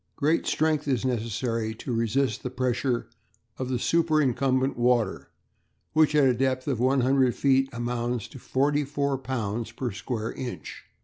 Great strength is necessary to resist the pressure of superincumbent water, which at a depth of 100 feet amounts to 44 lbs. per square inch.